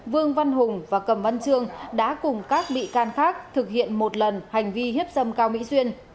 vương văn hùng và cầm văn trương đã cùng các bị can khác thực hiện một lần hành vi hiếp dâm cao mỹ duyên